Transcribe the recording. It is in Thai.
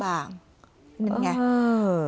นึงไง